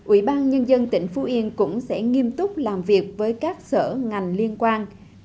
ủy ban nhân dân tỉnh phú yên cũng sẽ nghiêm túc làm việc với các sở ngành liên quan